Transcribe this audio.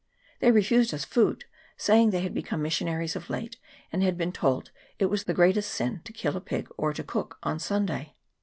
They refused us food, saying they had become missionaries of late, and had been told it was the greatest sin to kill a pig or to cook on Sunday.